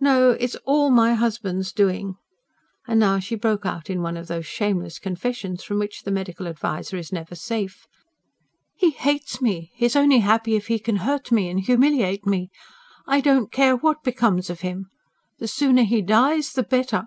No, it is all my husband's doing," and now she broke out in one of those shameless confessions, from which the medical adviser is never safe. "He hates me; he is only happy if he can hurt me and humiliate me. I don't care what becomes of him. The sooner he dies the better!"